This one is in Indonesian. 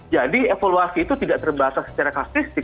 jadi evaluasi itu tidak terbahasa secara kasusistik